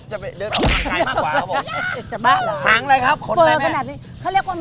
จะไปเดินออกมากมันแหรอครับ